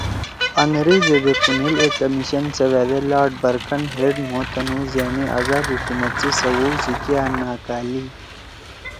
أنگریزے دے پُونیل اے کمیشن سیوأدے لارڈ برکن ہیڈ (Lord Birkenhead) مھو تنُو زأنی آزاد حکومت سی سوَؤ سی کیا ناکالِئی“